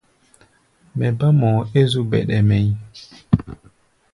Mɛ bá mɔʼɔ é zú bɛɗɛ mɛʼí̧.